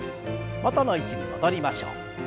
元の位置に戻りましょう。